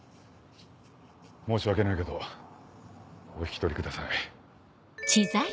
申し訳ないけどお引き取りください。